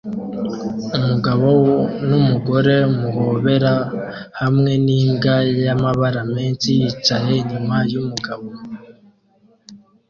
Umugabo numugore muhobera hamwe nimbwa y'amabara menshi yicaye inyuma yumugabo